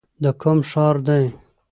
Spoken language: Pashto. د کوم ښار دی ؟